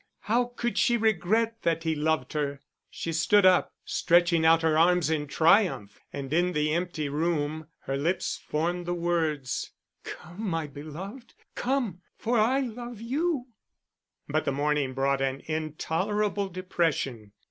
How could she regret that he loved her? She stood up, stretching out her arms in triumph, and in the empty room, her lips formed the words "Come, my beloved, come for I love you!" But the morning brought an intolerable depression.